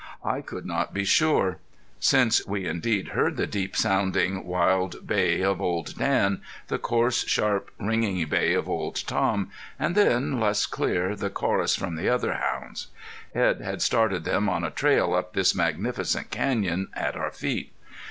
I could not be sure. Soon we indeed heard the deep sounding, wild bay of Old Dan, the course, sharp, ringing bay of Old Tom, and then, less clear, the chorus from the other hounds. Edd had started them on a trail up this magnificent canyon at our feet.